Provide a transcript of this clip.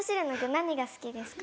何が好きですか？